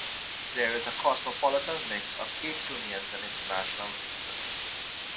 There is a cosmopolitan mix of Capetonians and international visitors.